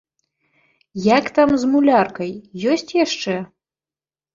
Як там з муляркай, ёсць яшчэ?